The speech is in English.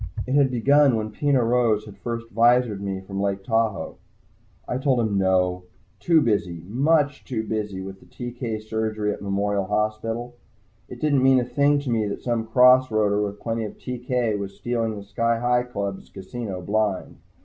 It had begun when Peno Rose had first visored me from Lake Tahoe. I had told him "No." Too busy, much too busy, with TK surgery at Memorial Hospital. It didn't mean a thing to me that some cross roader with plenty of TK was stealing the Sky Hi Club's casino blind.